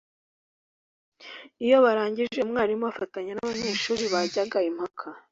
Iyo barangije umwarimu afatanya n’abanyeshuri bajyaga impaka